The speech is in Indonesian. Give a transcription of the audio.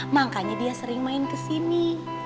makanya dia sering main kesini